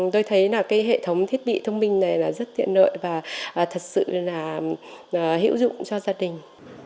tôi thấy hệ thống thiết bị thông minh này rất tiện lợi và thật sự là hữu dụng cho gia đình